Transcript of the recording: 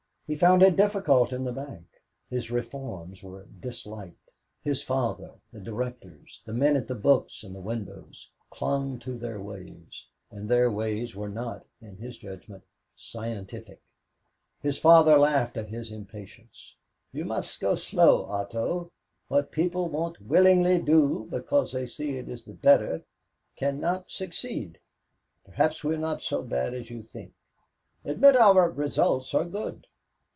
He found it difficult in the bank. His "reforms" were disliked his father, the directors, the men at the books and the windows, clung to their ways, and their ways were not, in his judgment, "scientific." His father laughed at his impatience. "You must go slow, Otto. What people won't willingly do because they see it is the better, cannot succeed. Perhaps we're not so bad as you think. Admit our results are good."